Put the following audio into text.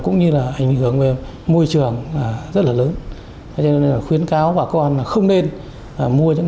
cũng như là ảnh hưởng môi trường rất là lớn cho nên là khuyến cáo bà con là không nên mua những